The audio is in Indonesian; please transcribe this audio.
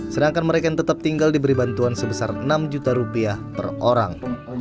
sedangkan mereka yang tetap tinggal diberi bantuan sebesar enam juta rupiah per orang